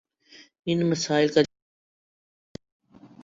ان مسائل کا جائزہ لے لیا جائے